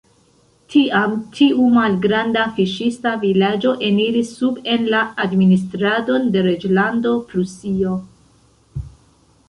Tiam tiu malgranda fiŝista vilaĝo eniris sub en la administradon de Reĝlando Prusio.